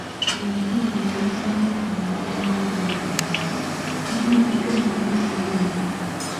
Ebitundu ebibudamya abanoonyi b'obubuddamu biganyuddwa mu bitongole bino.